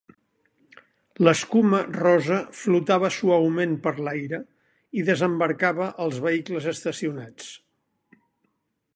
L'escuma rosa flotava suaument per l'aire i desembarcava als vehicles estacionats.